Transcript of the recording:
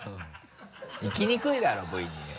いきにくいだろＶに。